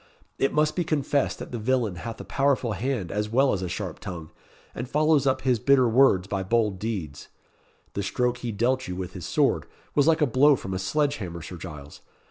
It must be confessed that the villain hath a powerful hand as well as a sharp tongue, and follows up his bitter words by bold deeds. The stroke he dealt you with his sword was like a blow from a sledge hammer, Sir Giles.